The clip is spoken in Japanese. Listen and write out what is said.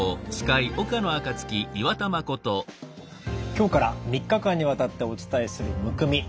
今日から３日間にわたってお伝えするむくみ。